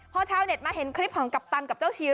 พอชาวเน็ตมาเห็นคลิปของกัปตันกับเจ้าชิล